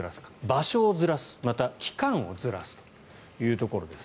場所をずらすまた期間をずらすというところです。